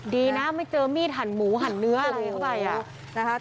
ดีนะไม่เจอมีดหั่นหมูหั่นเนื้ออะไรทั่วไป